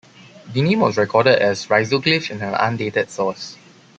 The name was recorded as Riselclif in an undated source.